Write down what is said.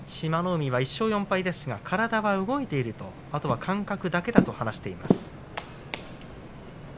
海は１勝４敗ですが体は動いているとあとは感覚だけだと話しています。